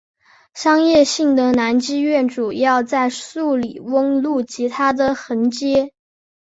商业性的男妓院主要在素里翁路及它的横街。